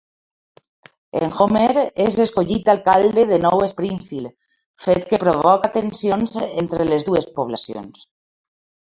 En Homer és escollit alcalde de Nou Springfield, fet que provoca tensions entre les dues poblacions.